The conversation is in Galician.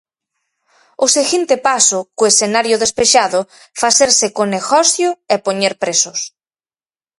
O seguinte paso, co escenario 'despexado', facerse co 'negocio' e poñer prezos.